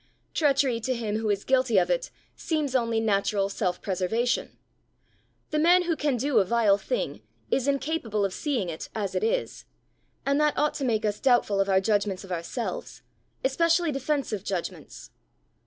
Treachery to him who is guilty of it seems only natural self preservation; the man who can do a vile thing is incapable of seeing it as it is; and that ought to make us doubtful of our judgments of ourselves, especially defensive judgments.